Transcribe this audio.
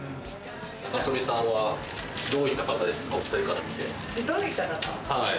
中曽根さんは、どういう方ですか？